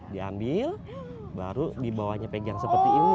diambil baru di bawahnya pegang seperti ini